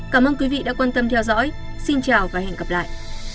cảm ơn quý vị đã quan tâm theo dõi xin chào và hẹn gặp lại